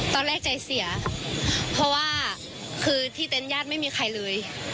ตอนแรกใจเสียค่ะเพราะว่าคือที่เต็นต์ญาติไม่มีใครเลย